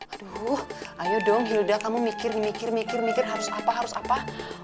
aduh ayo dong hilda kamu mikir mikir harus apa apa